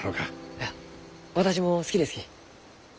いや私も好きですき。